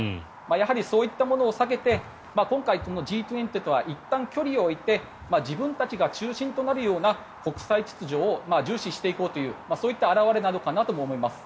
やはりそういったものを避けて今回、Ｇ２０とはいったん距離を置いて自分たちが中心となるような国際秩序を重視していこうというそういった表れなのかなとも思います。